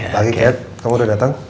pagi kat kamu udah datang